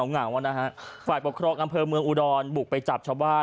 เหงานะฮะฝ่ายปกครองอำเภอเมืองอุดรบุกไปจับชาวบ้าน